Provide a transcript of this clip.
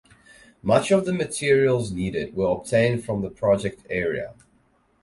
Much of the materials needed were obtained from the project area.